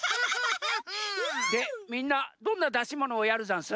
でみんなどんなだしものをやるざんす？